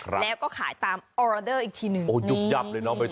แล้วก็ขายตามออเดอร์อีกทีหนึ่งโอ้ยุบยับเลยน้องใบตอ